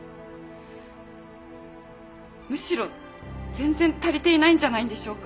むしろ全然足りていないんじゃないんでしょうか？